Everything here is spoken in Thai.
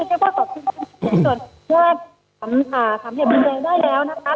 ก็คิดว่าขอบคุณคุณส่วนเพื่อนคำค่ะคำเหตุบริเวณได้แล้วนะคะ